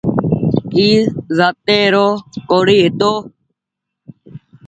اي هتو زاتي رو ڪوڙي هيتو